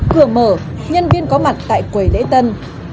cửa mở nhân viên có mặt tại quầy lễ tân